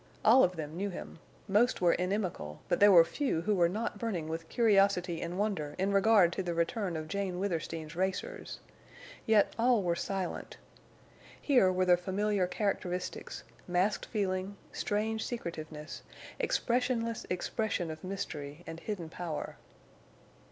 All of them knew him, most were inimical, but there were few who were not burning with curiosity and wonder in regard to the return of Jane Withersteen's racers. Yet all were silent. Here were the familiar characteristics—masked feeling—strange secretiveness—expressionless expression of mystery and hidden power.